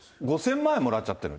５０００万円もらっちゃってる。